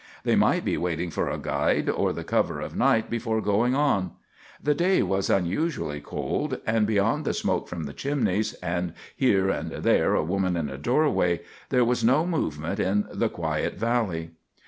They might be waiting for a guide or the cover of night before going on. The day was unusually cold, and beyond the smoke from the chimneys, and here and there a woman in a doorway, there was no movement in the quiet valley.